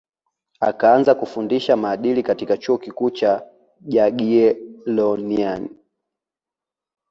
akaanza kufundisha maadili katika chuo kikuu cha jagiellonian